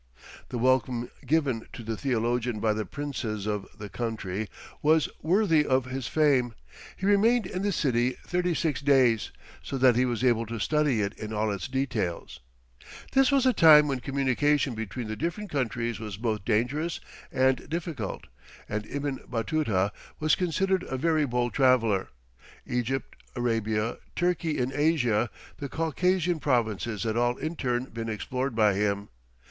The welcome given to the theologian by the princes of the country was worthy of his fame; he remained in the city thirty six days, so that he was able to study it in all its details. This was a time when communication between the different countries was both dangerous and difficult, and Ibn Batuta was considered a very bold traveller. Egypt, Arabia, Turkey in Asia, the Caucasian provinces had all in turn been explored by him.